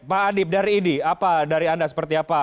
pak adib dari idi apa dari anda seperti apa